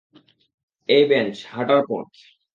এই বেঞ্চ, হাঁটার পথ।